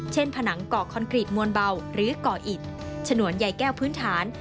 ผนังก่อคอนกรีตมวลเบาหรือก่ออิดฉนวนใหญ่แก้วพื้นฐาน